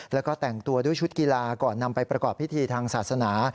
แล้วก็แต่งตัวด้วยชุดกีฬาก่อนนำไปประกอบพิธีทางศาสนา